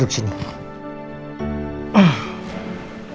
aku seneng banget kalo opa disini